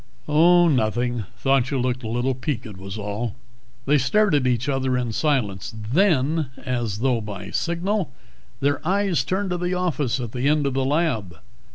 "Oh, nothing. Thought you looked a little peaked, was all." They stared at each other in silence. Then, as though by signal, their eyes turned to the office at the end of the lab.